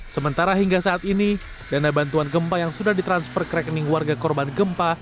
sementara hingga saat ini dana bantuan gempa yang sudah ditransfer ke rekening warga korban gempa